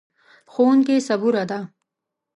ښوونکې صبوره ده.